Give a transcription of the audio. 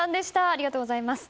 ありがとうございます。